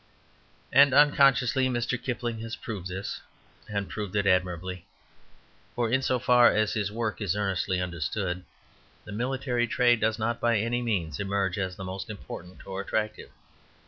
And unconsciously Mr. Kipling has proved this, and proved it admirably. For in so far as his work is earnestly understood the military trade does not by any means emerge as the most important or attractive.